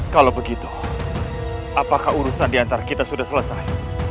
kalau begitu apakah urusan diantara kita sudah selesai